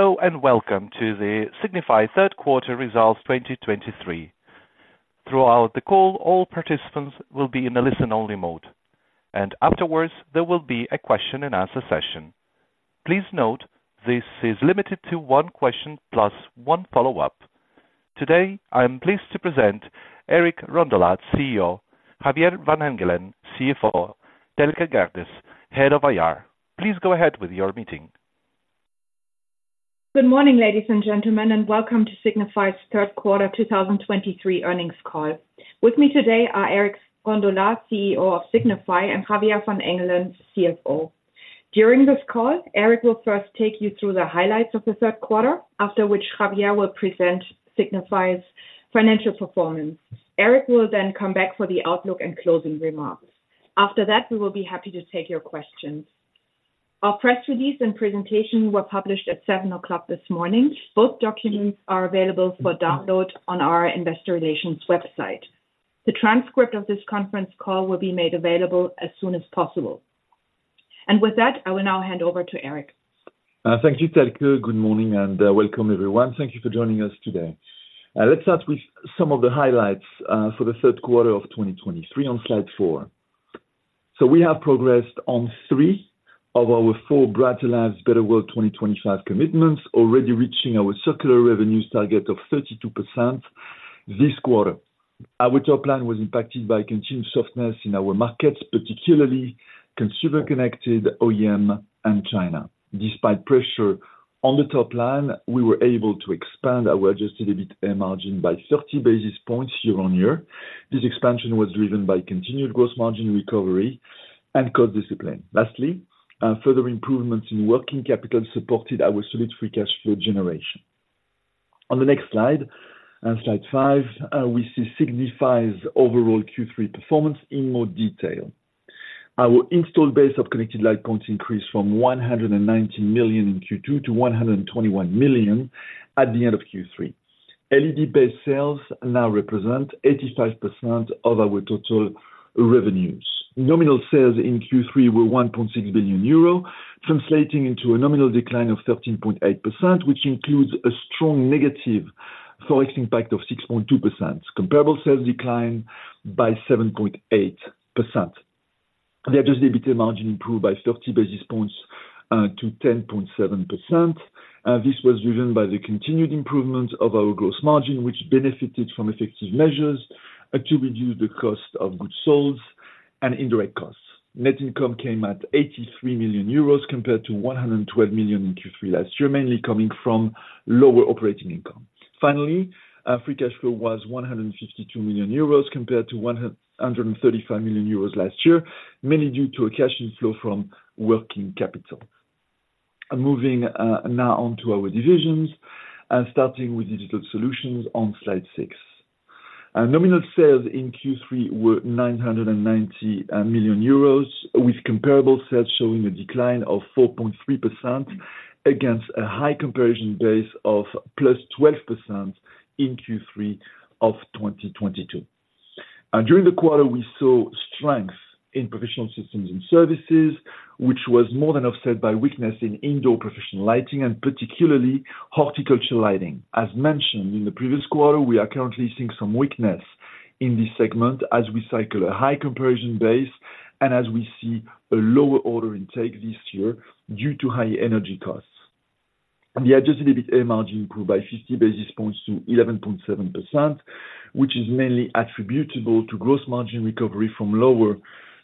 Hello, and welcome to the Signify third quarter results 2023. Throughout the call, all participants will be in a listen-only mode, and afterwards, there will be a question and answer session. Please note, this is limited to one question plus one follow-up. Today, I am pleased to present Eric Rondolat, CEO, Javier van Engelen, CFO, Thelke Gerdes, Head of IR. Please go ahead with your meeting. Good morning, ladies and gentlemen, and welcome to Signify's Third Quarter 2023 Earnings Call. With me today are Eric Rondolat, CEO of Signify, and Javier van Engelen, CFO. During this call, Eric will first take you through the highlights of the third quarter, after which Javier will present Signify's financial performance. Eric will then come back for the outlook and closing remarks. After that, we will be happy to take your questions. Our press release and presentation were published at 7:00 A.M. this morning. Both documents are available for download on our investor relations website. The transcript of this conference call will be made available as soon as possible. With that, I will now hand over to Eric. Thank you, Thelke. Good morning, and welcome, everyone. Thank you for joining us today. Let's start with some of the highlights for the third quarter of 2023 on Slide 4. So we have progressed on 3 of our 4 Brighter Lives, Better World 2025 commitments, already reaching our circular revenues target of 32% this quarter. Our top line was impacted by continued softness in our markets, particularly Consumer Connected, OEM, and China. Despite pressure on the top line, we were able to expand our adjusted EBIT margin by 30 basis points year-on-year. This expansion was driven by continued gross margin recovery and cost discipline. Lastly, further improvements in working capital supported our solid free cash flow generation. On the next slide, Slide 5, we see Signify's overall Q3 performance in more detail. Our installed base of connected light points increased from 119 million in Q2 to 121 million at the end of Q3. LED-based sales now represent 85% of our total revenues. Nominal sales in Q3 were 1.6 billion euro, translating into a nominal decline of 13.8%, which includes a strong negative Forex impact of 6.2%. Comparable sales declined by 7.8%. The Adjusted EBITA margin improved by 30 basis points to 10.7%. This was driven by the continued improvement of our gross margin, which benefited from effective measures to reduce the cost of goods sold and indirect costs. Net income came at 83 million euros compared to 112 million in Q3 last year, mainly coming from lower operating income. Finally, free cash flow was 152 million euros compared to 135 million euros last year, mainly due to a cash flow from working capital. Moving now on to our divisions, and starting with Digital Solutions on Slide 6. Nominal sales in Q3 were 990 million euros, with comparable sales showing a decline of 4.3% against a high comparison base of +12% in Q3 of 2022. And during the quarter, we saw strength in Professional Systems and Services, which was more than offset by weakness in indoor professional lighting and particularly horticulture lighting. As mentioned in the previous quarter, we are currently seeing some weakness in this segment as we cycle a high comparison base and as we see a lower order intake this year due to high energy costs. And the Adjusted EBITA margin improved by 50 basis points to 11.7%, which is mainly attributable to gross margin recovery from lower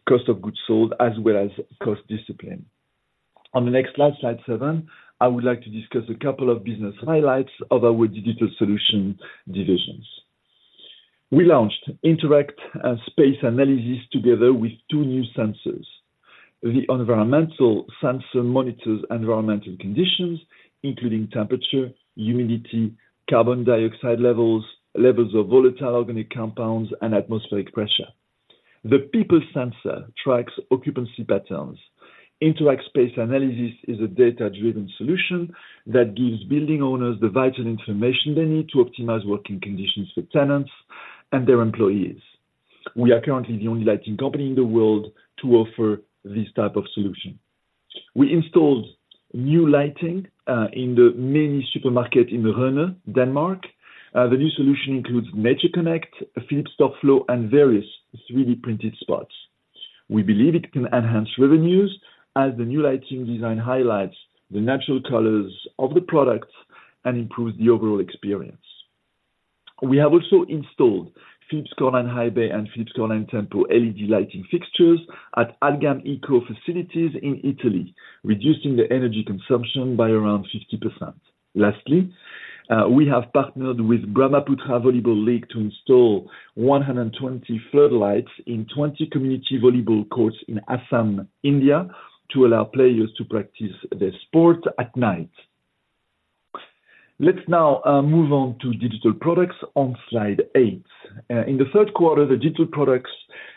cost of goods sold, as well as cost discipline. On the next slide, Slide 7, I would like to discuss a couple of business highlights of our digital solution divisions. We launched Interact Space Analysis together with two new sensors. The environmental sensor monitors environmental conditions, including temperature, humidity, carbon dioxide levels, levels of volatile organic compounds, and atmospheric pressure. The people sensor tracks occupancy patterns. Interact Space Analysis is a data-driven solution that gives building owners the vital information they need to optimize working conditions for tenants and their employees. We are currently the only lighting company in the world to offer this type of solution. We installed new lighting in the main supermarket in Rønne, Denmark. The new solution includes NatureConnect, Philips StoreFlow, and various 3D printed spots. We believe it can enhance revenues as the new lighting design highlights the natural colors of the products and improves the overall experience. We have also installed Philips CoreLine Highbay and Philips CoreLine Tempo LED lighting fixtures at Algam EKO facilities in Italy, reducing the energy consumption by around 50%. Lastly, we have partnered with Brahmaputra Volleyball League to install 120 floodlights in 20 community volleyball courts in Assam, India, to allow players to practice their sport at night. Let's now move on to Digital Products on Slide 8. In the third quarter, the Digital Products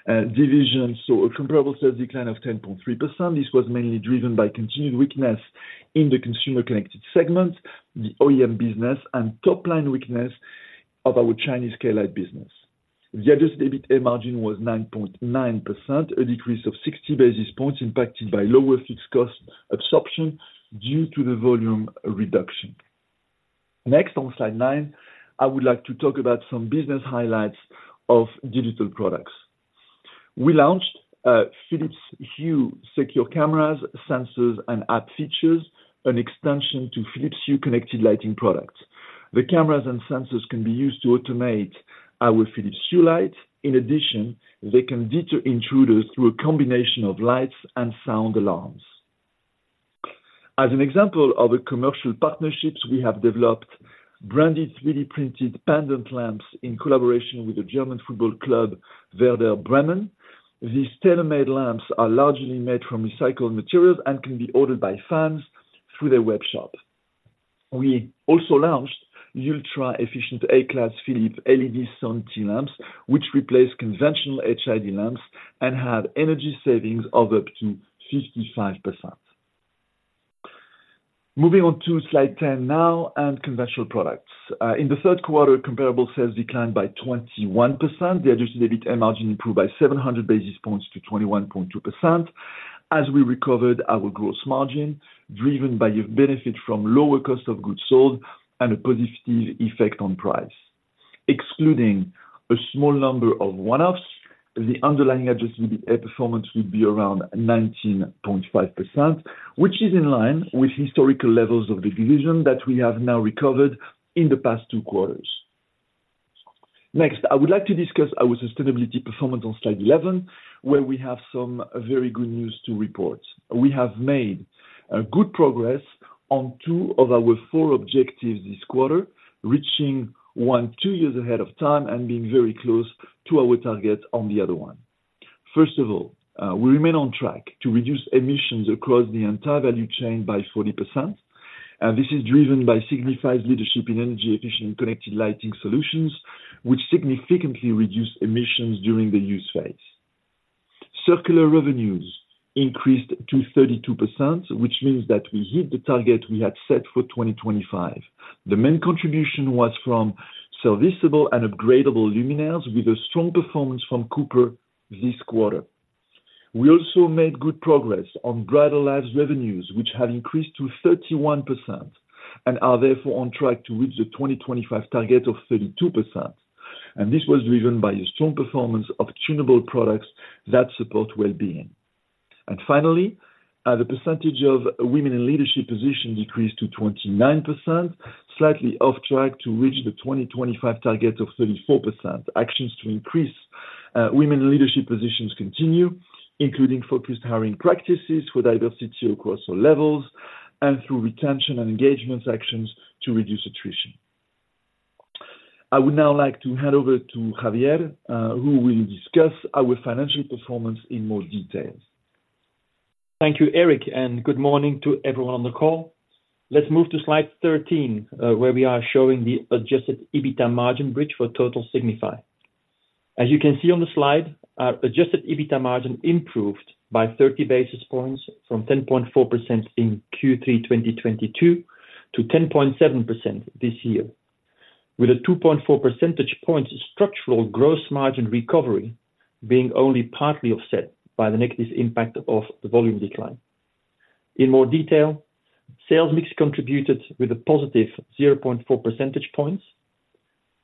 division saw a comparable sales decline of 10.3%. This was mainly driven by continued weakness in the Consumer Connected segment, the OEM business, and top line weakness of our Chinese Klite business. The Adjusted EBITA margin was 9.9%, a decrease of 60 basis points impacted by lower fixed cost absorption due to the volume reduction. Next, on Slide 9, I would like to talk about some business highlights of Digital Products. We launched Philips Hue Secure cameras, sensors, and app features, an extension to Philips Hue connected lighting products. The cameras and sensors can be used to automate our Philips Hue lights. In addition, they can deter intruders through a combination of lights and sound alarms. As an example of a commercial partnerships, we have developed branded, 3D-printed pendant lamps in collaboration with the German Football Club, Werder Bremen. These tailor-made lamps are largely made from recycled materials and can be ordered by fans through their web shop. We also launched ultra-efficient A-class Philips LED SON-T lamps, which replace conventional HID lamps and have energy savings of up to 55%. Moving on to Slide 10 now, and Conventional Products. In the third quarter, comparable sales declined by 21%. The Adjusted EBITA margin improved by 700 basis points to 21.2%. As we recovered, our gross margin, driven by a benefit from lower cost of goods sold and a positive effect on price. Excluding a small number of one-offs, the underlying Adjusted EBITA performance will be around 19.5%, which is in line with historical levels of the division that we have now recovered in the past two quarters. Next, I would like to discuss our sustainability performance on Slide 11, where we have some very good news to report. We have made good progress on 2 of our 4 objectives this quarter, reaching one 2 years ahead of time and being very close to our target on the other one. First of all, we remain on track to reduce emissions across the entire value chain by 40%, and this is driven by Signify's leadership in energy efficient connected lighting solutions, which significantly reduce emissions during the use phase. Circular revenues increased to 32%, which means that we hit the target we had set for 2025. The main contribution was from serviceable and upgradable luminaires, with a strong performance from Cooper this quarter. We also made good progress on brighter lives revenues, which have increased to 31% and are therefore on track to reach the 2025 target of 32%. This was driven by a strong performance of tunable products that support well-being. Finally, the percentage of women in leadership positions decreased to 29%, slightly off track to reach the 2025 target of 34%. Actions to increase women in leadership positions continue, including focused hiring practices for diversity across all levels and through retention and engagement actions to reduce attrition. I would now like to hand over to Javier, who will discuss our financial performance in more details. Thank you, Eric, and good morning to everyone on the call. Let's move to Slide 13, where we are showing the Adjusted EBITA margin bridge for total Signify. As you can see on the slide, our Adjusted EBITA margin improved by 30 basis points from 10.4% in Q3 2022 to 10.7% this year, with a 2.4 percentage point structural gross margin recovery being only partly offset by the negative impact of the volume decline. In more detail, sales mix contributed with a positive 0.4 percentage points.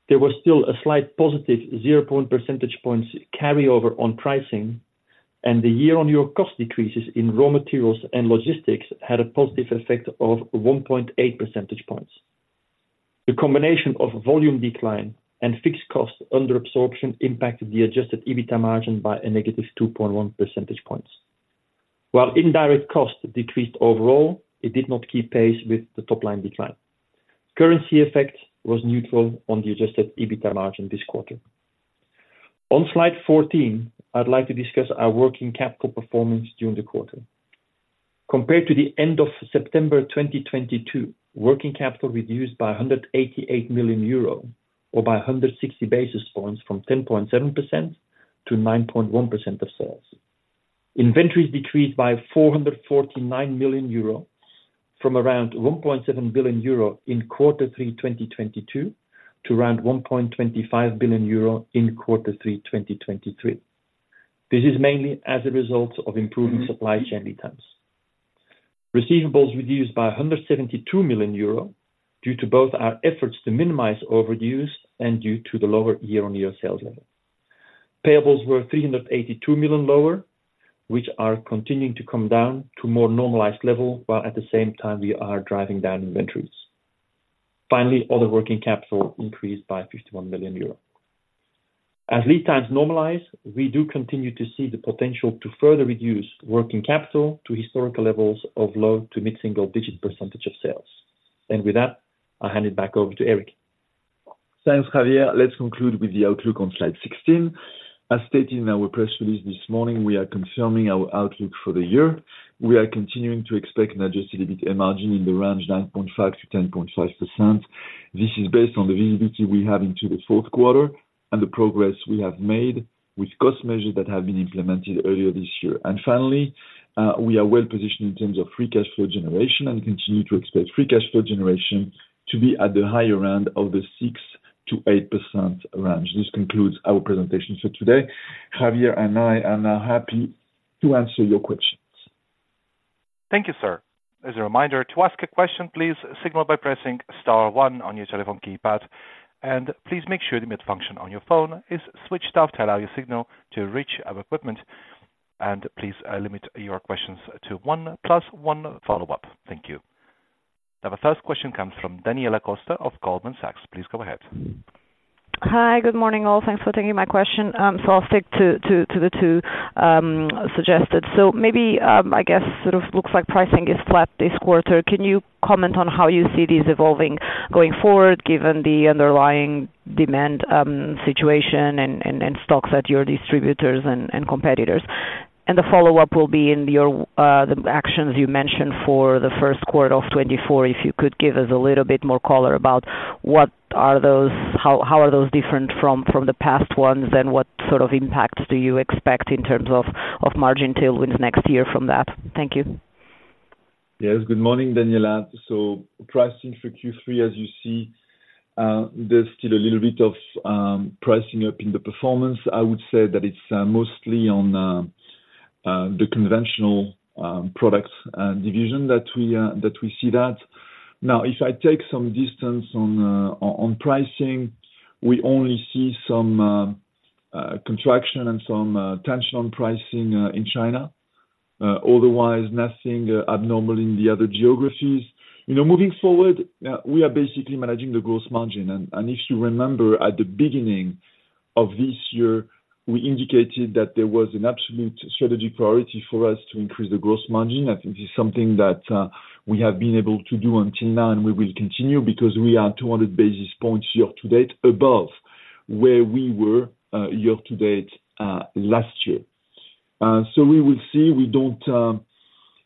There was still a slight positive zero point percentage points carryover on pricing, and the year-on-year cost decreases in raw materials and logistics had a positive effect of 1.8 percentage points. The combination of volume decline and fixed costs under absorption impacted the Adjusted EBITA margin by a negative 2.1 percentage points. While indirect costs decreased overall, it did not keep pace with the top line decline. Currency effect was neutral on the Adjusted EBITA margin this quarter. On Slide 14, I'd like to discuss our working capital performance during the quarter. Compared to the end of September 2022, working capital reduced by 188 million euro or by 160 basis points from 10.7% to 9.1% of sales. Inventories decreased by 449 million euro, from around 1.7 billion euro in Q3 2022 to around 1.25 billion euro in Q3 2023. This is mainly as a result of improving supply chain lead times. Receivables reduced by 172 million euro due to both our efforts to minimize overages and due to the lower year-on-year sales level. Payables were 382 million lower, which are continuing to come down to more normalized level, while at the same time we are driving down inventories. Finally, other working capital increased by 51 million euros. As lead times normalize, we do continue to see the potential to further reduce working capital to historical levels of low-to-mid single digit percentage of sales. With that, I'll hand it back over to Eric. Thanks, Javier. Let's conclude with the outlook on Slide 16. As stated in our press release this morning, we are confirming our outlook for the year. We are continuing to expect an Adjusted EBITA margin in the range 9.5%-10.5%. This is based on the visibility we have into the fourth quarter and the progress we have made with cost measures that have been implemented earlier this year. And finally, we are well positioned in terms of free cash flow generation and continue to expect free cash flow generation to be at the higher end of the 6%-8% range. This concludes our presentation for today. Javier and I are now happy to answer your questions. Thank you, sir. As a reminder, to ask a question, please signal by pressing star one on your telephone keypad, and please make sure the mute function on your phone is switched off to allow your signal to reach our equipment. And please, limit your questions to one, plus one follow-up. Thank you. Now, the first question comes from Daniela Costa of Goldman Sachs. Please go ahead. Hi. Good morning, all. Thanks for taking my question. So I'll stick to the two suggested. So maybe, I guess, sort of, looks like pricing is flat this quarter. Can you comment on how you see this evolving going forward, given the underlying demand situation and stocks at your distributors and competitors? And the follow-up will be in the actions you mentioned for the first quarter of 2024, if you could give us a little bit more color about what are those... How are those different from the past ones, and what sort of impacts do you expect in terms of margin tailwinds next year from that? Thank you. Yes. Good morning, Daniela. So pricing for Q3, as you see, there's still a little bit of pricing up in the performance. I would say that it's mostly on the Conventional Products division that we see that. Now, if I take some distance on pricing, we only see some contraction and some tension on pricing in China. Otherwise, nothing abnormal in the other geographies. You know, moving forward, we are basically managing the gross margin. And if you remember, at the beginning of this year, we indicated that there was an absolute strategy priority for us to increase the gross margin. I think this is something that, we have been able to do until now, and we will continue, because we are 200 basis points year to date above where we were, year to date, last year. So we will see. We don't...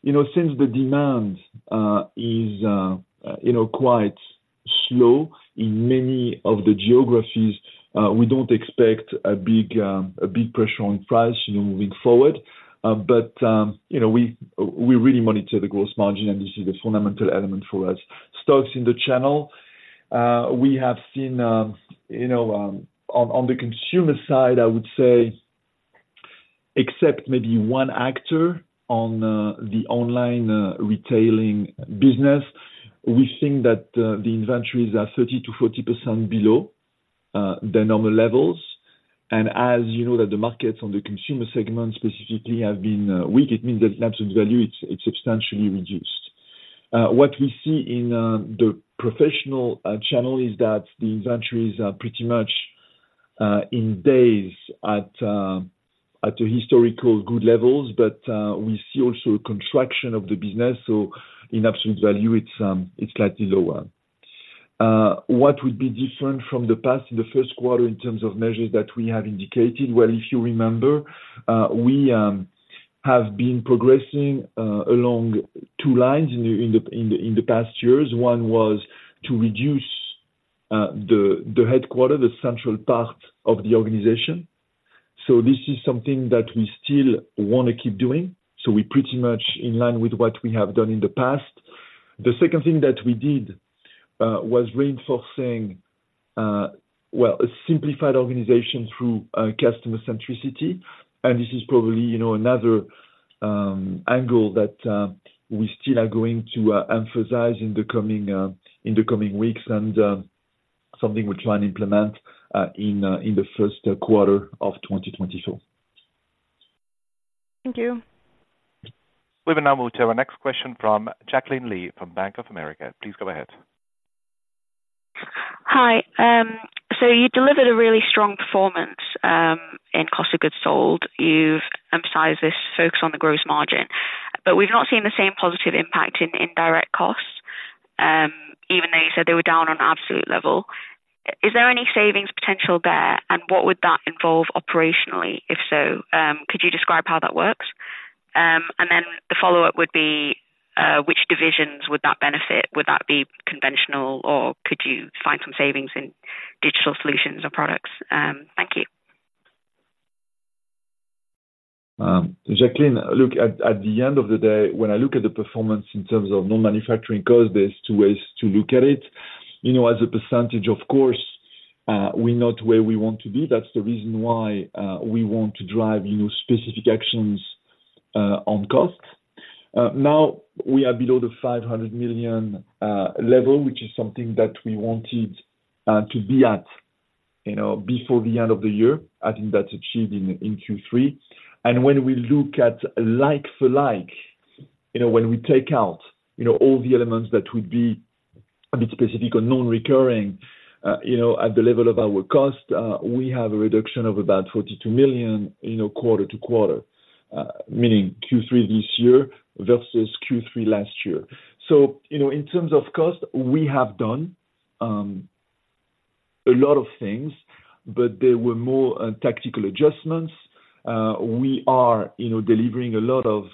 You know, since the demand is, you know, quite slow in many of the geographies, we don't expect a big, a big pressure on price, you know, moving forward. But, you know, we really monitor the gross margin, and this is a fundamental element for us. Stocks in the channel, we have seen, you know, on the consumer side, I would say, except maybe one actor on the online retailing business, we think that the inventories are 30%-40% below the normal levels. As you know, that the markets on the consumer segment specifically have been weak, it means that absolute value, it's substantially reduced. What we see in the professional channel is that the inventories are pretty much in days at historically good levels. But we see also a contraction of the business, so in absolute value, it's slightly lower. What would be different from the past in the first quarter in terms of measures that we have indicated? Well, if you remember, we have been progressing along two lines in the past years. One was to reduce the headquarters, the central part of the organization. So this is something that we still wanna keep doing, so we're pretty much in line with what we have done in the past. The second thing that we did was reinforcing, well, a simplified organization through customer centricity. And this is probably, you know, another angle that we still are going to emphasize in the coming weeks and something we'll try and implement in the first quarter of 2024. Thank you. We will now move to our next question from Jacqueline Healy, from Bank of America. Please go ahead. Hi. So you delivered a really strong performance in cost of goods sold. You've emphasized this focus on the gross margin, but we've not seen the same positive impact in indirect costs, even though you said they were down on an absolute level. Is there any savings potential there, and what would that involve operationally? If so, could you describe how that works? And then the follow-up would be, which divisions would that benefit? Would that be conventional, or could you find some savings in Digital Solutions or products? Thank you. Jacqueline, look, at the end of the day, when I look at the performance in terms of non-manufacturing costs, there's two ways to look at it. You know, as a percentage, of course, we're not where we want to be. That's the reason why we want to drive, you know, specific actions on cost. Now, we are below the 500 million level, which is something that we wanted to be at, you know, before the end of the year. I think that's achieved in Q3. And when we look at like-for-like, you know, when we take out, you know, all the elements that would be a bit specific or non-recurring, you know, at the level of our cost, we have a reduction of about 42 million, you know, quarter to quarter, meaning Q3 this year versus Q3 last year. So, you know, in terms of cost, we have done, a lot of things, but there were more, tactical adjustments. We are, you know, delivering a lot of,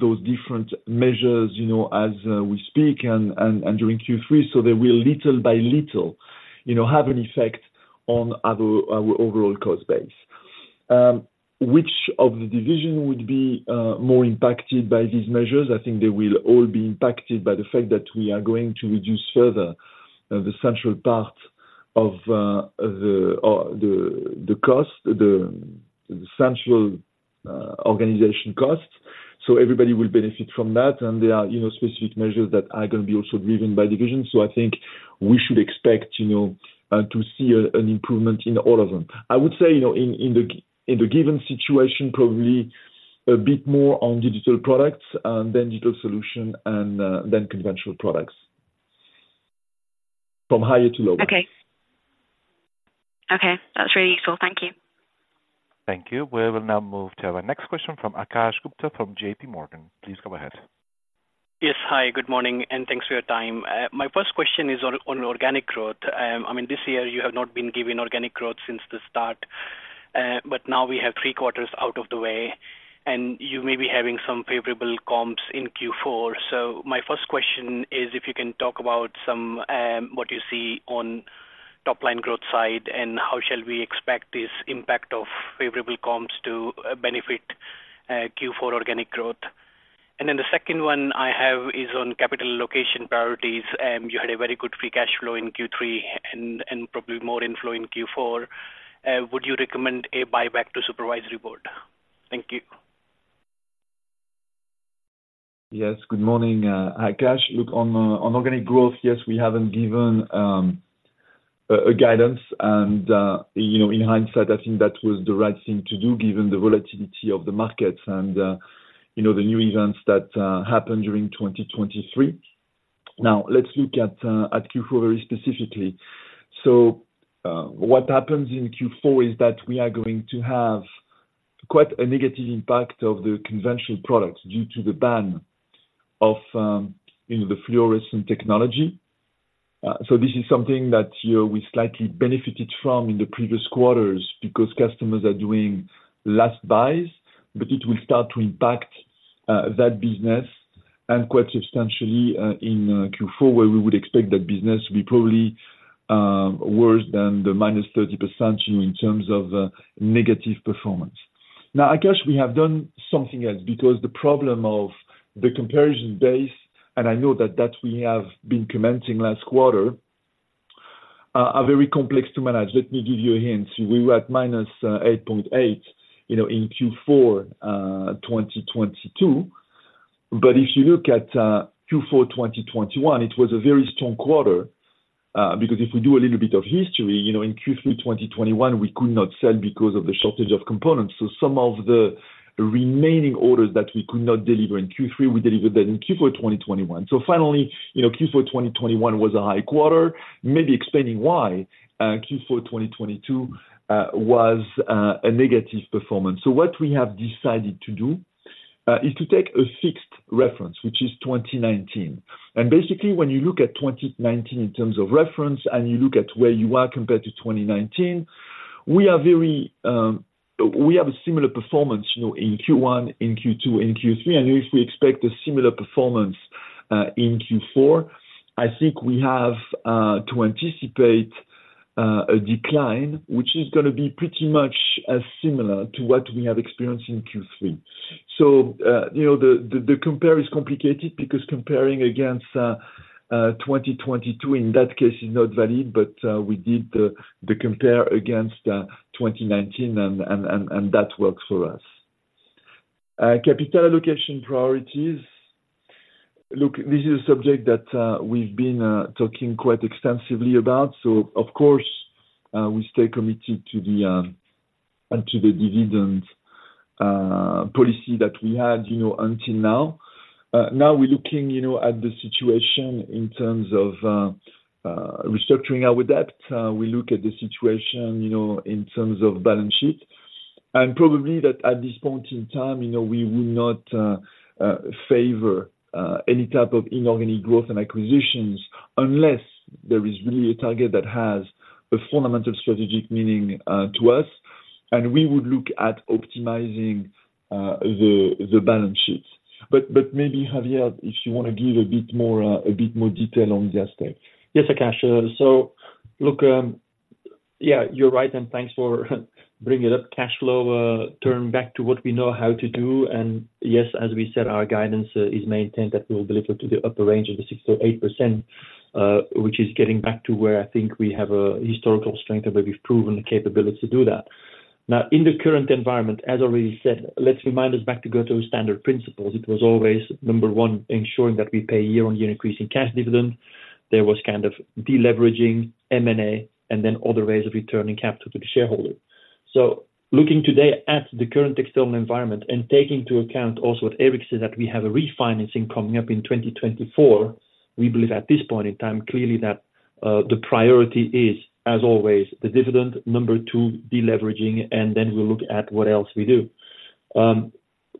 those different measures, you know, as, we speak and during Q3, so they will little by little, you know, have an effect on other- our overall cost base. Which of the division would be, more impacted by these measures? I think they will all be impacted by the fact that we are going to reduce further the central part of the central organization costs. So everybody will benefit from that, and there are, you know, specific measures that are gonna be also driven by division. So I think we should expect, you know, to see an improvement in all of them. I would say, you know, in the given situation, probably a bit more on Digital Products, and then digital solution, and then Conventional Products. From high to low. Okay. Okay, that's really useful. Thank you. Thank you. We will now move to our next question from Akash Gupta from J.P. Morgan. Please go ahead. Yes, hi, good morning, and thanks for your time. My first question is on organic growth. I mean, this year you have not been giving organic growth since the start, but now we have three quarters out of the way, and you may be having some favorable comps in Q4. So my first question is if you can talk about some... what you see on top line growth side, and how shall we expect this impact of favorable comps to benefit Q4 organic growth? And then the second one I have is on capital allocation priorities. You had a very good Free Cash Flow in Q3 and probably more inflow in Q4. Would you recommend a buyback to supervisory board? Thank you. Yes, good morning, Akash. Look, on organic growth, yes, we haven't given a guidance, and, you know, in hindsight, I think that was the right thing to do, given the volatility of the markets and, you know, the new events that happened during 2023. Now, let's look at Q4 very specifically. So, what happens in Q4 is that we are going to have quite a negative impact of the Conventional Products due to the ban of the fluorescent technology. So this is something that, you know, we slightly benefited from in the previous quarters because customers are doing last buys, but it will start to impact that business and quite substantially in Q4, where we would expect that business to be probably worse than the -30%, you know, in terms of negative performance. Now, Akash, we have done something else because the problem of the comparison base, and I know that we have been commenting last quarter are very complex to manage. Let me give you a hint. We were at -8.8, you know, in Q4 2022, but if you look at Q4 2021, it was a very strong quarter. Because if we do a little bit of history, you know, in Q3 2021, we could not sell because of the shortage of components. So some of the remaining orders that we could not deliver in Q3, we delivered them in Q4 2021. So finally, you know, Q4 2021 was a high quarter, maybe explaining why Q4 2022 was a negative performance. So what we have decided to do is to take a fixed reference, which is 2019. Basically, when you look at 2019 in terms of reference, and you look at where you are compared to 2019, we are very, we have a similar performance, you know, in Q1, in Q2, in Q3, and if we expect a similar performance in Q4, I think we have to anticipate a decline, which is gonna be pretty much as similar to what we have experienced in Q3. So, you know, the compare is complicated because comparing against 2022 in that case is not valid, but we did the compare against 2019, and that works for us. Capital allocation priorities. Look, this is a subject that we've been talking quite extensively about. Of course, we stay committed to the dividend policy that we had, you know, until now. Now we're looking, you know, at the situation in terms of restructuring our debt. We look at the situation, you know, in terms of balance sheet, and probably at this point in time, you know, we will not favor any type of inorganic growth and acquisitions unless there is really a target that has a fundamental strategic meaning to us. We would look at optimizing the balance sheet. But maybe, Javier, if you want to give a bit more detail on this thing. Yes, Akash, so, look, yeah, you're right, and thanks for bringing it up. Cash flow, turn back to what we know how to do, and yes, as we said, our guidance is maintained that we will deliver to the upper range of the 6%-8%, which is getting back to where I think we have a historical strength and where we've proven the capability to do that. Now, in the current environment, as already said, let's remind us back to go to standard principles. It was always, number one, ensuring that we pay year-on-year increase in cash dividend. There was kind of deleveraging, M&A, and then other ways of returning capital to the shareholder. So looking today at the current external environment and taking into account also what Eric said, that we have a refinancing coming up in 2024, we believe at this point in time, clearly that the priority is, as always, the dividend. Number two, deleveraging, and then we'll look at what else we do.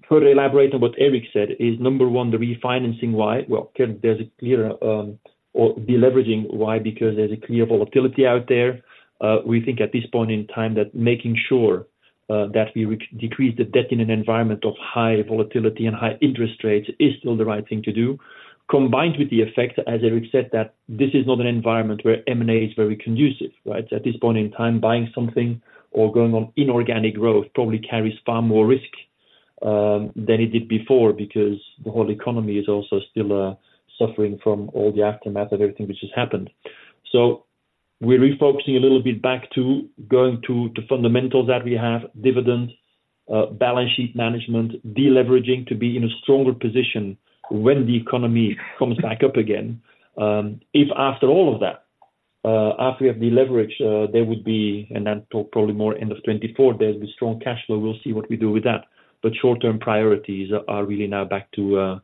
Further elaborating what Eric said is, number one, the refinancing, why? Well, there's a clear or deleveraging. Why? Because there's a clear volatility out there. We think at this point in time that making sure that we decrease the debt in an environment of high volatility and high interest rates is still the right thing to do, combined with the effect, as Eric said, that this is not an environment where M&A is very conducive, right? At this point in time, buying something or going on inorganic growth probably carries far more risk than it did before, because the whole economy is also still suffering from all the aftermath of everything which has happened. So we're refocusing a little bit back to going to the fundamentals that we have, dividends, balance sheet management, deleveraging to be in a stronger position when the economy comes back up again. If after all of that, after we have deleveraged, there would be, and then talk probably more end of 2024, there's be strong cash flow, we'll see what we do with that. But short-term priorities are really now back to,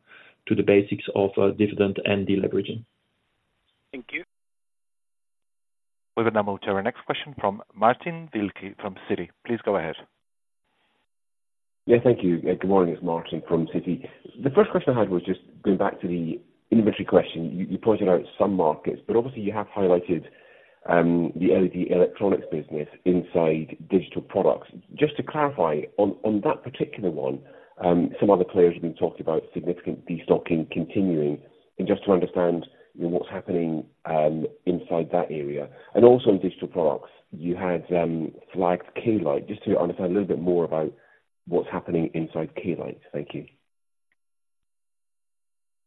to the basics of, dividend and deleveraging. Thank you. We will now move to our next question from Martin Wilkie, from Citi. Please go ahead. Yeah, thank you. Good morning, it's Martin from Citi. The first question I had was just going back to the inventory question. You pointed out some markets, but obviously you have highlighted the LED Electronics business inside Digital Products. Just to clarify, on that particular one, some other players have been talking about significant destocking continuing, and just to understand, you know, what's happening inside that area. And also, in Digital Products, you had flagged Klite. Just to understand a little bit more about what's happening inside Klite. Thank you.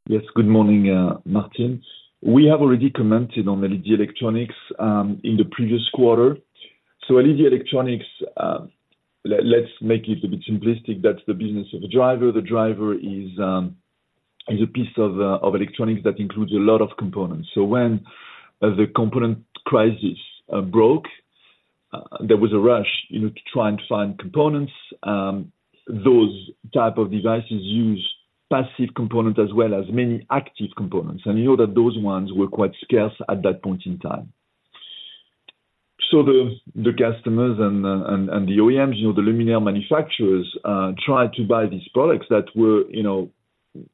Yes, good morning, Martin. We have already commented on LED Electronics in the previous quarter. So LED Electronics, let's make it a bit simplistic. That's the business of the driver. The driver is a piece of electronics that includes a lot of components. So when the component crisis broke, there was a rush, you know, to try and find components. Those type of devices use passive components as well as many active components, and you know that those ones were quite scarce at that point in time. So the customers and the OEMs, you know, the luminaire manufacturers, tried to buy these products that were, you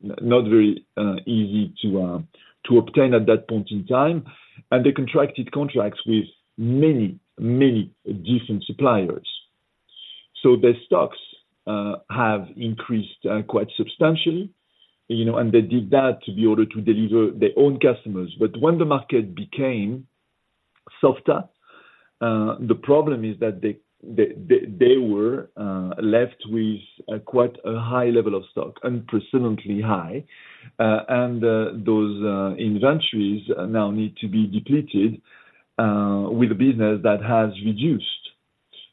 know, not very easy to obtain at that point in time, and they contracted contracts with many different suppliers. So their stocks have increased quite substantially, you know, and they did that to be able to deliver their own customers. But when the market became softer, the problem is that they were left with quite a high level of stock, unprecedentedly high. And those inventories now need to be depleted with a business that has reduced.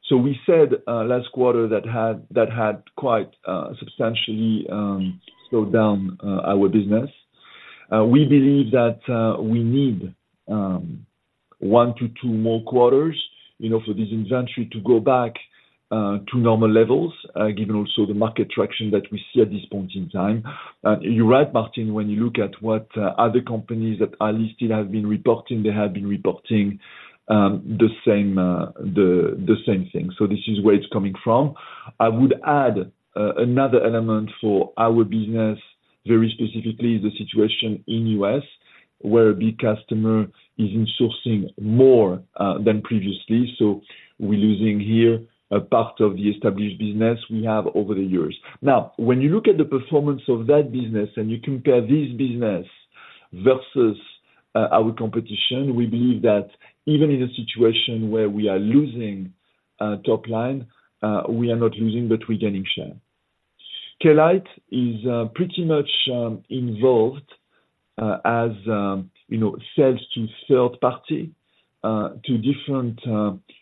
So we said last quarter that had quite substantially slowed down our business. We believe that we need one to two more quarters, you know, for this inventory to go back to normal levels given also the market traction that we see at this point in time. You're right, Martin, when you look at what other companies that are listed have been reporting, they have been reporting the same thing. So this is where it's coming from. I would add another element for our business, very specifically, the situation in U.S., where a big customer is in-sourcing more than previously. So we're losing here a part of the established business we have over the years. Now, when you look at the performance of that business and you compare this business versus our competition, we believe that even in a situation where we are losing top line, we are not losing, but we're gaining share. Klite is pretty much involved, as you know, in sales to third party to different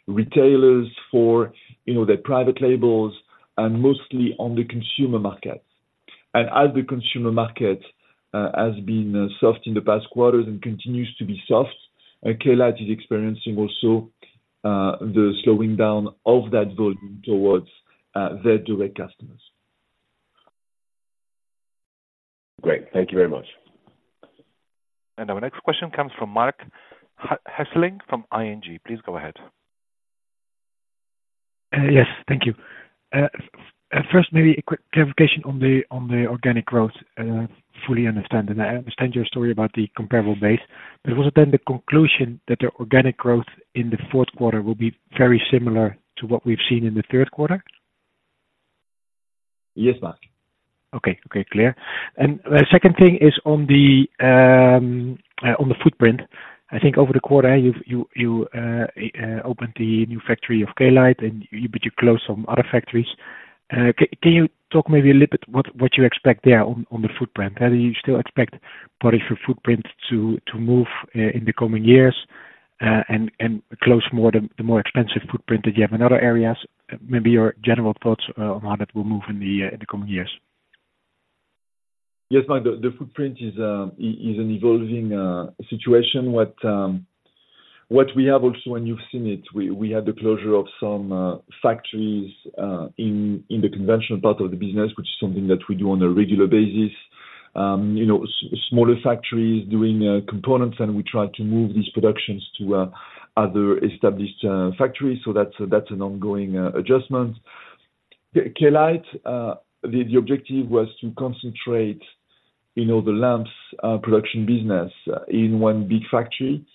retailers for, you know, their private labels and mostly on the consumer market. And as the consumer market has been soft in the past quarters and continues to be soft, Klite is experiencing also the slowing down of that volume towards their direct customers. Great. Thank you very much. Our next question comes from Marc Hesselink from ING. Please go ahead. Yes. Thank you. At first, maybe a quick clarification on the organic growth. Fully understand, and I understand your story about the comparable base, but was it then the conclusion that the organic growth in the fourth quarter will be very similar to what we've seen in the third quarter? Yes, Marc. Okay. Okay, clear. And the second thing is on the footprint. I think over the quarter, you've opened the new factory of Klite and, but you closed some other factories. Can you talk maybe a little bit what you expect there on the footprint? And do you still expect part of your footprint to move in the coming years and close more the more expensive footprint that you have in other areas? Maybe your general thoughts on how that will move in the coming years. Yes, Marc, the footprint is an evolving situation. What we have also, and you've seen it, we had the closure of some factories in the conventional part of the business, which is something that we do on a regular basis. You know, smaller factories doing components, and we try to move these productions to other established factories. So that's an ongoing adjustment. Klite, the objective was to concentrate, you know, the lamps production business in one big factory,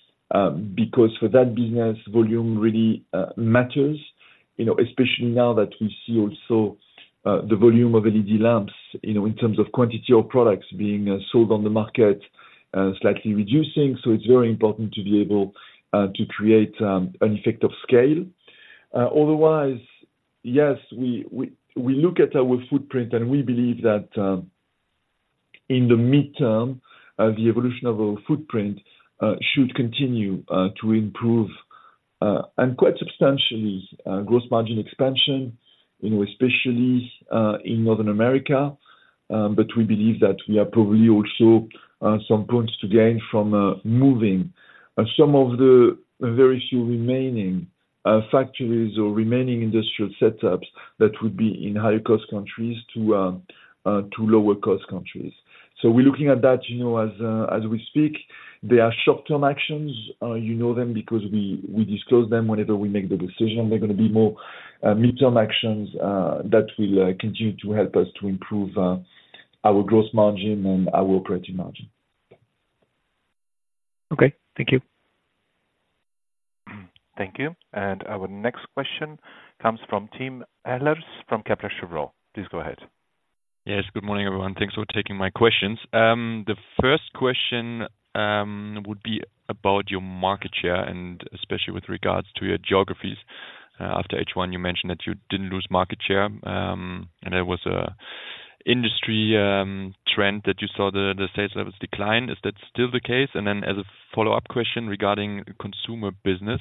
because for that business, volume really matters, you know, especially now that we see also the volume of LED lamps, you know, in terms of quantity of products being sold on the market.... Slightly reducing, so it's very important to be able to create an effect of scale. Otherwise, yes, we look at our footprint, and we believe that in the midterm the evolution of our footprint should continue to improve and quite substantially gross margin expansion, you know, especially in North America. But we believe that we have probably also some points to gain from moving some of the very few remaining factories or remaining industrial setups that would be in higher-cost countries to lower-cost countries. So we're looking at that, you know, as we speak. They are short-term actions. You know them because we disclose them whenever we make the decision. They're gonna be more midterm actions that will continue to help us to improve our Gross Margin and our Operating Margin. Okay. Thank you. Thank you. Our next question comes from Tim Ehlers from Kepler Cheuvreux. Please go ahead. Yes, good morning, everyone. Thanks for taking my questions. The first question would be about your market share, and especially with regards to your geographies. After H1, you mentioned that you didn't lose market share, and there was an industry trend that you saw the sales levels decline. Is that still the case? And then as a follow-up question regarding consumer business,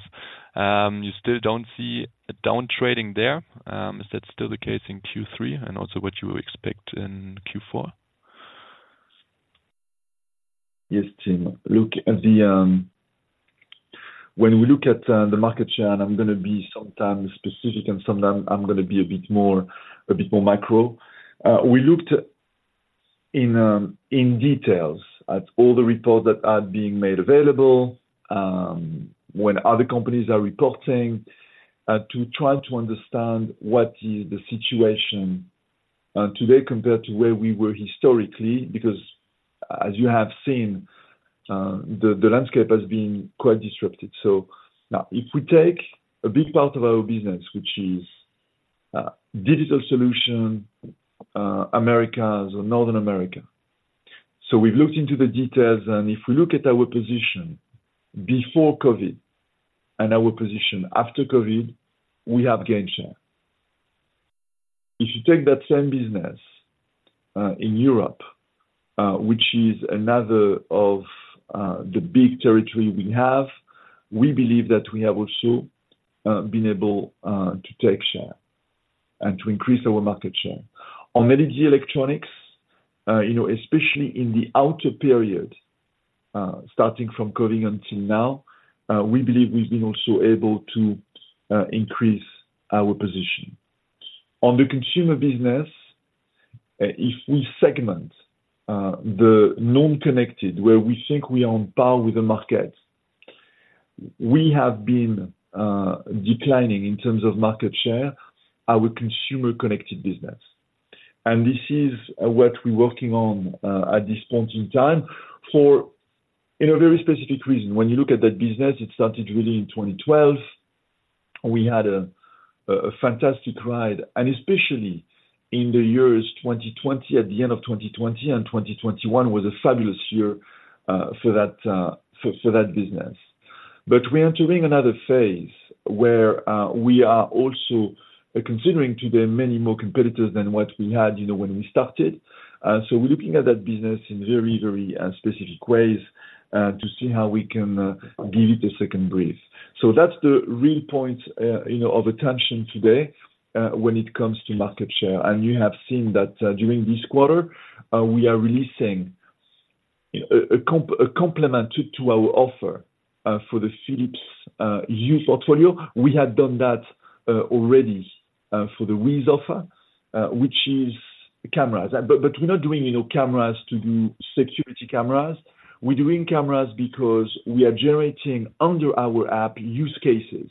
you still don't see a downtrading there? Is that still the case in Q3, and also what you expect in Q4? Yes, Tim. Look, when we look at the market share, and I'm gonna be sometimes specific, and sometimes I'm gonna be a bit more, a bit more macro. We looked in details at all the reports that are being made available when other companies are reporting to try to understand what is the situation today compared to where we were historically. Because as you have seen, the landscape has been quite disrupted. So now, if we take a big part of our business, which is digital solution, Americas or North America, so we've looked into the details, and if we look at our position before COVID and our position after COVID, we have gained share. If you take that same business in Europe, which is another of the big territory we have, we believe that we have also been able to take share and to increase our market share. On LED Electronics, you know, especially in the latter period, starting from COVID until now, we believe we've been also able to increase our position. On the consumer business, if we segment the non-connected, where we think we are on par with the market, we have been declining in terms of market share, our Consumer Connected business. And this is what we're working on at this point in time for in a very specific reason. When you look at that business, it started really in 2012. We had a fantastic ride, and especially in the years 2020, at the end of 2020, and 2021 was a fabulous year for that business. But we are entering another phase where we are also considering today many more competitors than what we had, you know, when we started. So we're looking at that business in very, very specific ways to see how we can give it a second breath. So that's the real point, you know, of attention today when it comes to market share. And you have seen that during this quarter we are releasing a complement to our offer for the Philips Hue portfolio. We have done that already for the WiZ offer, which is cameras. But we're not doing, you know, cameras to do security cameras. We're doing cameras because we are generating under our app use cases,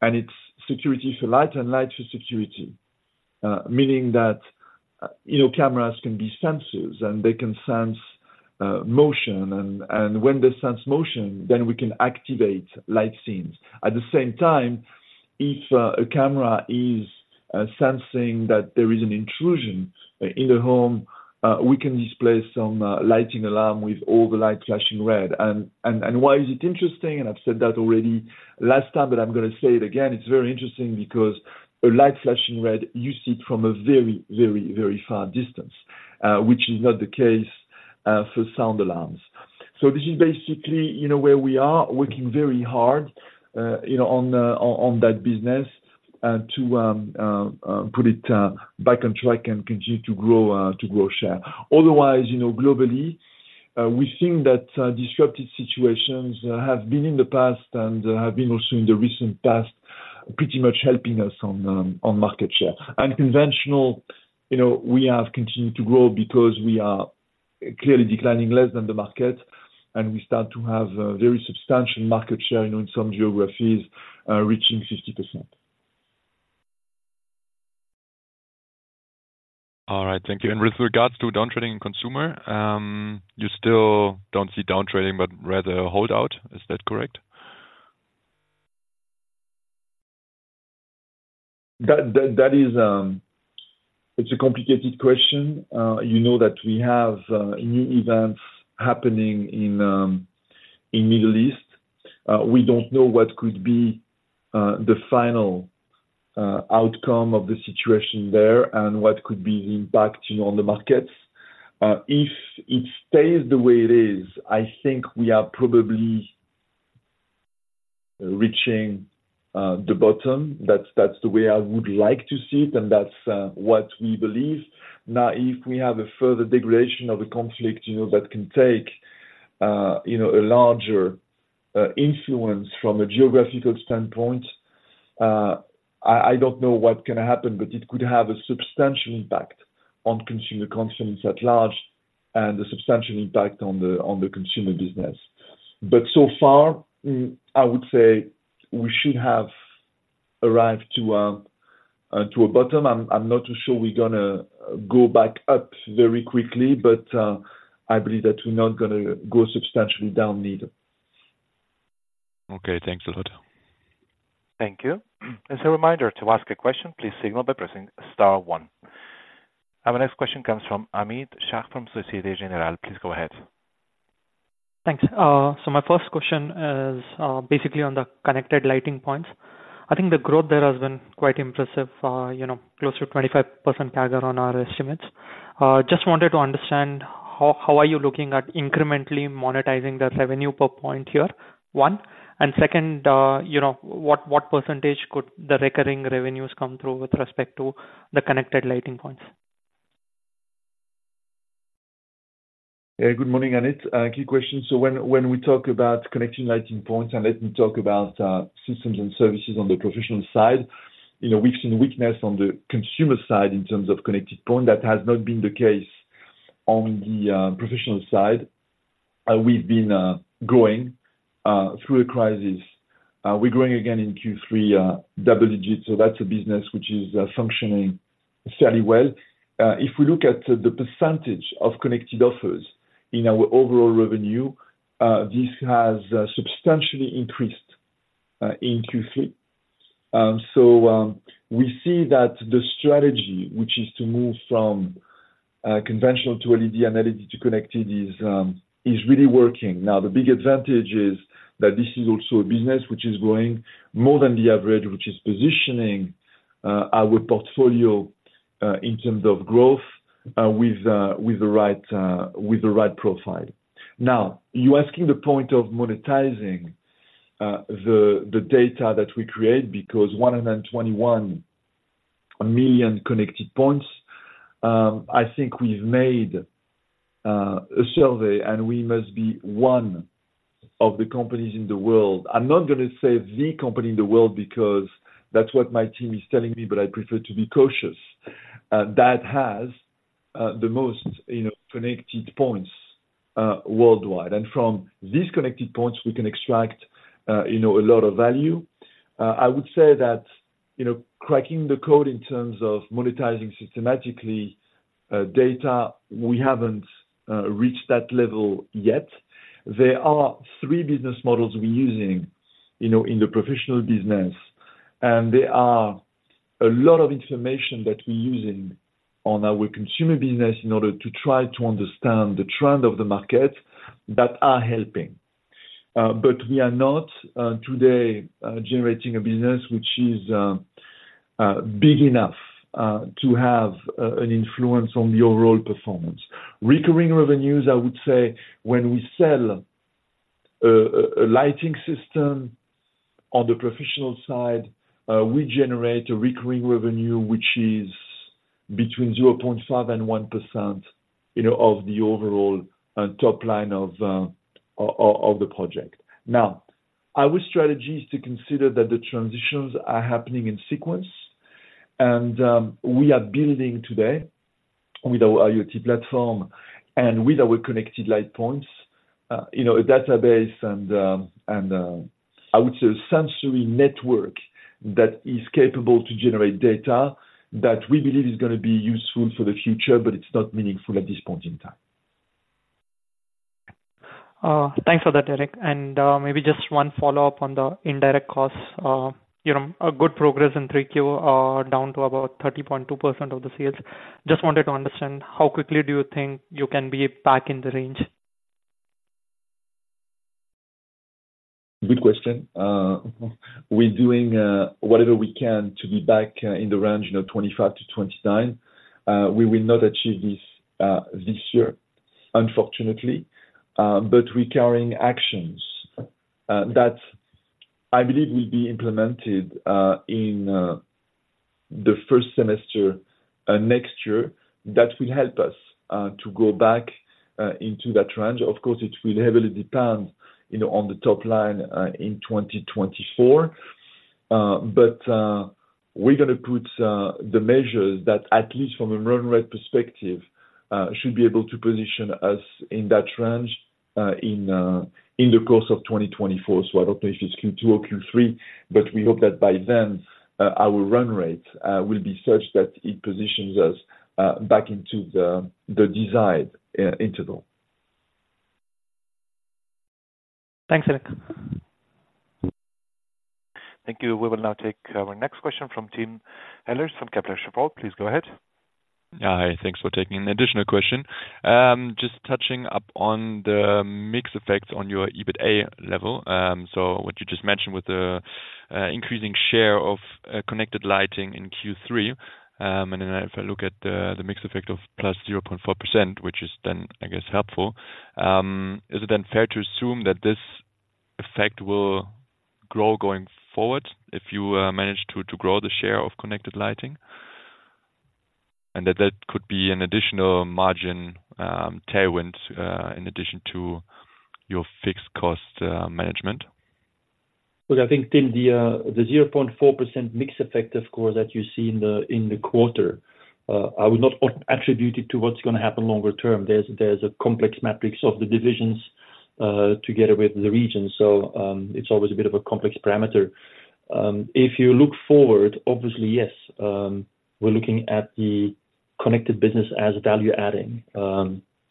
and it's security for light and light for security. Meaning that, you know, cameras can be sensors, and they can sense motion and when they sense motion, then we can activate light scenes. At the same time, if a camera is sensing that there is an intrusion in the home, we can display some lighting alarm with all the light flashing red. And why is it interesting? And I've said that already last time, but I'm gonna say it again. It's very interesting because a light flashing red, you see it from a very, very, very far distance, which is not the case for sound alarms. So this is basically, you know, where we are working very hard, you know, on that business to put it back on track and continue to grow to grow share. Otherwise, you know, globally, we think that disrupted situations have been in the past and have been also in the recent past, pretty much helping us on market share. And conventional, you know, we have continued to grow because we are clearly declining less than the market, and we start to have a very substantial market share, you know, in some geographies, reaching 50%. All right. Thank you. With regards to downtrading consumer, you still don't see downtrading, but rather hold out. Is that correct? ...That is, it's a complicated question. You know, that we have new events happening in the Middle East. We don't know what could be the final outcome of the situation there and what could be the impact, you know, on the markets. If it stays the way it is, I think we are probably reaching the bottom. That's the way I would like to see it, and that's what we believe. Now, if we have a further degradation of the conflict, you know, that can take, you know, a larger influence from a geographical standpoint, I don't know what can happen. But it could have a substantial impact on consumer confidence at large and a substantial impact on the consumer business. But so far, I would say we should have arrived to a bottom. I'm not too sure we're gonna go back up very quickly, but I believe that we're not gonna go substantially down either. Okay, thanks a lot. Thank you. As a reminder, to ask a question, please signal by pressing star one. Our next question comes from [Amit Shah] from Société Générale. Please go ahead. Thanks. So my first question is basically on the Connected Lighting points. I think the growth there has been quite impressive, you know, close to 25% tag on our estimates. Just wanted to understand how are you looking at incrementally monetizing the revenue per point here, one? And second, you know, what percentage could the recurring revenues come through with respect to the Connected Lighting points? Yeah. Good morning, Amit. Key question. So when we talk about connecting lighting points, and let me talk about systems and services on the professional side. You know, we've seen weakness on the consumer side in terms of Connected Point. That has not been the case on the professional side. We've been growing through a crisis. We're growing again in Q3, double digits, so that's a business which is functioning fairly well. If we look at the percentage of connected offers in our overall revenue, this has substantially increased in Q3. So we see that the strategy, which is to move from conventional to LED and LED to connected is really working. Now, the big advantage is that this is also a business which is growing more than the average, which is positioning our portfolio in terms of growth with the right profile. Now, you're asking the point of monetizing the data that we create because 121 million Connected Points, I think we've made a survey, and we must be one of the companies in the world. I'm not gonna say the company in the world, because that's what my team is telling me, but I prefer to be cautious that has the most, you know, Connected Points worldwide. And from these Connected Points, we can extract, you know, a lot of value. I would say that, you know, cracking the code in terms of monetizing systematically, data, we haven't reached that level yet. There are three business models we're using, you know, in the professional business, and there are a lot of information that we're using on our consumer business in order to try to understand the trend of the market that are helping. But we are not today generating a business which is big enough to have an influence on the overall performance. Recurring revenues, I would say, when we sell a lighting system on the professional side, we generate a recurring revenue which is between 0.5% and 1%, you know, of the overall and top line of the project. Now, our strategy is to consider that the transitions are happening in sequence, and we are building today with our IoT platform and with our connected light points, you know, a database and I would say a sensor network that is capable to generate data that we believe is gonna be useful for the future, but it's not meaningful at this point in time. Thanks for that, Eric. And, maybe just one follow-up on the indirect costs. You know, a good progress in 3Q, down to about 30.2% of the sales. Just wanted to understand, how quickly do you think you can be back in the range? Good question. We're doing whatever we can to be back in the range, you know, 25-29. We will not achieve this, this year, unfortunately. But we're carrying actions that I believe will be implemented in the first semester next year. That will help us to go back into that range. Of course, it will heavily depend, you know, on the top line in 2024. But we're gonna put the measures that, at least from a run rate perspective, should be able to position us in that range in the course of 2024. So I don't know if it's Q2 or Q3, but we hope that by then, our run rate will be such that it positions us back into the desired interval. ... Thanks, Eric. Thank you. We will now take our next question from Tim Ehlers from Kepler Cheuvreux. Please go ahead. Hi, thanks for taking an additional question. Just touching up on the mix effects on your EBITA level. So what you just mentioned with the increasing share of connected lighting in Q3, and then if I look at the mix effect of +0.4%, which is then I guess helpful, is it then fair to assume that this effect will grow going forward, if you manage to grow the share of connected lighting? And that could be an additional margin tailwind in addition to your fixed cost management. Well, I think Tim, the 0.4% mix effect, of course, that you see in the quarter, I would not attribute it to what's gonna happen longer term. There's a complex matrix of the divisions together with the region. So, it's always a bit of a complex parameter. If you look forward, obviously, yes, we're looking at the connected business as value adding.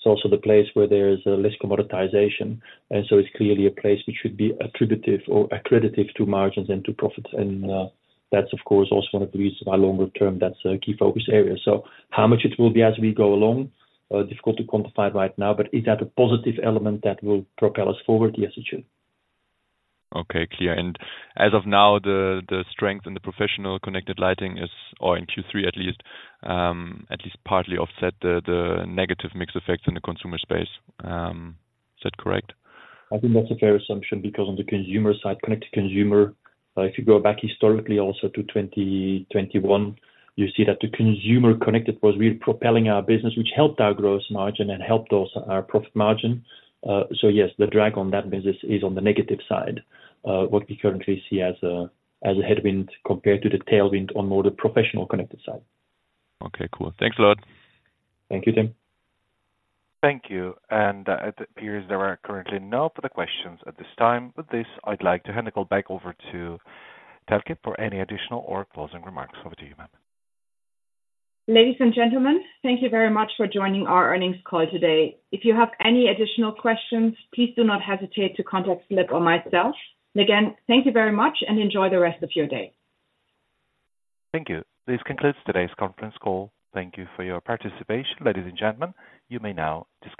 It's also the place where there is less commoditization, and so it's clearly a place which should be accretive to margins and to profits. And, that's of course also one of the reasons why longer term, that's a key focus area. So how much it will be as we go along, difficult to quantify right now, but is that a positive element that will propel us forward? Yes, it should. Okay, clear. And as of now, the strength in the professional Connected Lighting is, or in Q3 at least, at least partly offset the negative mix effect in the consumer space. Is that correct? I think that's a fair assumption, because on the consumer side, connected consumer, if you go back historically also to 2021, you see that the Consumer Connected was really propelling our business, which helped our gross margin and helped also our profit margin. So yes, the drag on that business is on the negative side, what we currently see as a, as a headwind compared to the tailwind on more the professional connected side. Okay, cool. Thanks a lot. Thank you, Tim. Thank you. And, it appears there are currently no further questions at this time. With this, I'd like to hand the call back over toThelke for any additional or closing remarks. Over to you, ma'am. Ladies and gentlemen, thank you very much for joining our earnings call today. If you have any additional questions, please do not hesitate to contact Flip or myself. And again, thank you very much and enjoy the rest of your day. Thank you. This concludes today's conference call. Thank you for your participation, ladies and gentlemen. You may now disconnect.